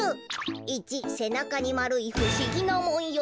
１せなかにまるいふしぎなもんよう。